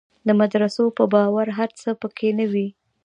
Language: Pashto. د مدرسو په باور هر څه په کې نه وي.